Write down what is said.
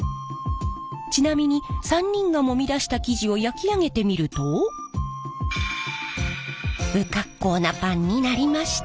ちなみに３人がもみ出した生地を焼き上げてみると不格好なパンになりました。